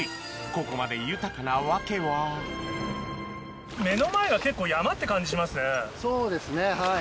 ここまで豊かな訳はそうですねはい。